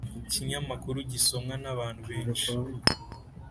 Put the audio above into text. kinyamakuru gisomwa n abantu benshi